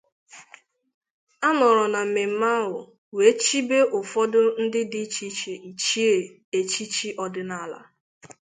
A nọrọ na mmemme ahụ wee chibe ụfọdụ ndị dị iche iche echichi ọdịnala